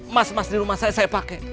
mas mas di rumah saya saya pakai